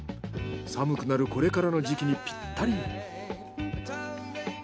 寒くなるこれからの時期にピッタリ。